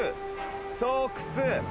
巣窟。